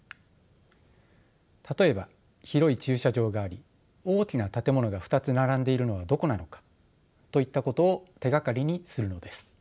例えば広い駐車場があり大きな建物が２つ並んでいるのはどこなのかといったことを手がかりにするのです。